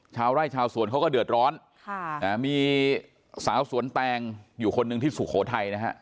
ชาวไร่ชาวสวนเขาก็เดือดร้อนมีสาวสวนแตงอยู่คนหนึ่งที่สุโขทัยนะฮะ